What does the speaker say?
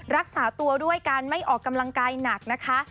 รักษาตัวด้วยการไม่ออกกำลังกายหนักนะคะ